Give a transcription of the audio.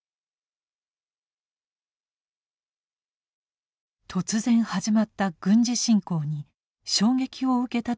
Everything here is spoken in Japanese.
突然始まった軍事侵攻に衝撃を受けたという俳人がいました。